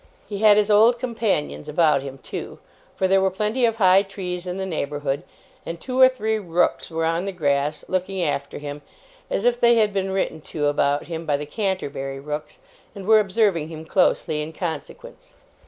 He had his old companions about him, too; for there were plenty of high trees in the neighbourhood, and two or three rooks were on the grass, looking after him, as if they had been written to about him by the Canterbury rooks, and were observing him closely in consequence.